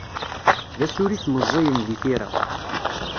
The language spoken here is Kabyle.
D asurif meẓẓiyen di tira.